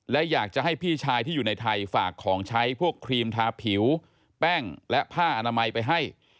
และอยากจะให้พี่ชายที่อยู่ในไทยฝากของใช้พวกครีมทาผิวแป้งและผ้าอนามัยไปให้